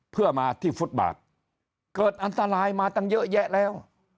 เพื่อมาที่ฟุตบาทเกิดอันตรายมาตั้งเยอะแยะแล้ว